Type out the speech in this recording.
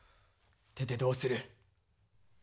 出てどうする？